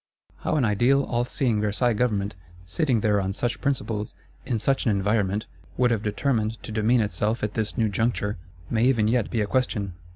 How an ideal, all seeing Versailles Government, sitting there on such principles, in such an environment, would have determined to demean itself at this new juncture, may even yet be a question.